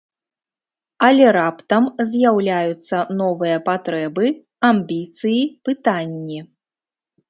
Але раптам з'яўляюцца новыя патрэбы, амбіцыі, пытанні.